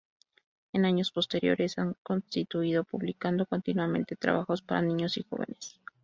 En años posteriores ha continuado publicando continuamente trabajos para niños y jóvenes.